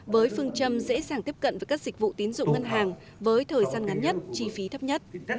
với phương châm dễ dàng tiếp cận với các dịch vụ tín dụng ngân hàng với thời gian ngắn nhất chi phí thấp nhất